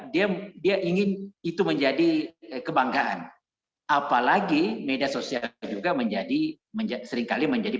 dia dia ingin itu menjadi kebanggaan apalagi media sosial juga menjadi seringkali menjadi